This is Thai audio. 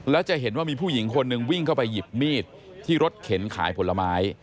แล้วจะเห็นว่ามีผู้หญิงคนหนึ่งวิ่งเข้าไปหยิบมีดที่รถเข็นขายผลไม้